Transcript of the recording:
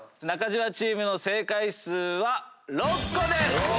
中島チームの正解数は６個です！